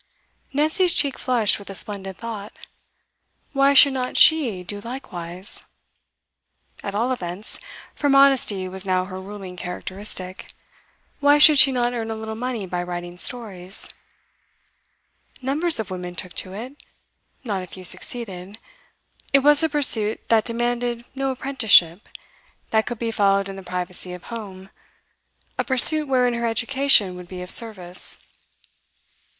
Nancy's cheek flushed with a splendid thought. Why should not she do likewise? At all events for modesty was now her ruling characteristic why should she not earn a little money by writing Stories? Numbers of women took to it; not a few succeeded. It was a pursuit that demanded no apprenticeship, that could be followed in the privacy of home, a pursuit wherein her education would be of service.